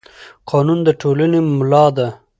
قانون د ټولنې ملا ده